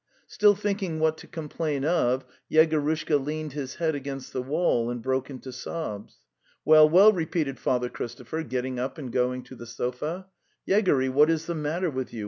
Still thinking what to complain of, Yegorushka leaned his head against the wall and broke into sobs. "Well, well!' repeated Father Christopher, get ting up and going to the sofa. '' Yegory, what is the matter with you?